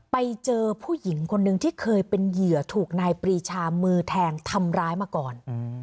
ไปเจอผู้หญิงคนนึงที่เคยเป็นเหยื่อถูกนายปรีชามือแทงทำร้ายมาก่อน